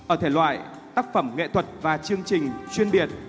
ở thể loại tác phẩm nghệ thuật và chương trình chuyên biệt